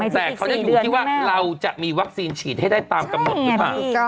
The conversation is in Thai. แต่เขาจะอยู่ที่ว่าเราจะมีวัคซีนฉีดให้ได้ตามกำหนดหรือเปล่า